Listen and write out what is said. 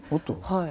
はい。